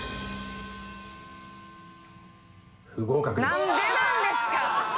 何でなんですか！？